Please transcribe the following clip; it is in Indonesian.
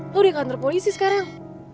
lo udah yang kantor polisi sekarang